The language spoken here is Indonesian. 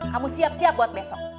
kamu siap siap buat besok